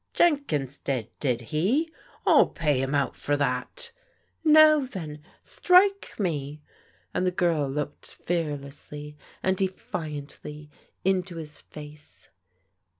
" Jenkins did, did he ? Ill pay him out for that." " Now then, strike me," and the g^rl looked fearlessly and defiantly into his face.